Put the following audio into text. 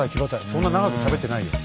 そんな長くしゃべってないよ。